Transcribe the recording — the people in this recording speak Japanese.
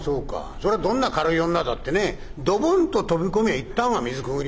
そりゃどんな軽い女だってねぇドボンと飛び込みゃいったんは水くぐりますよね？